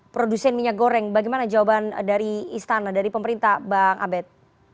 produsen minyak goreng bagaimana jawaban dari istana dari pemerintah bang abed